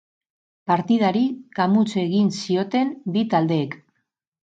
Partidari kamuts ekin zioten bi taldeek.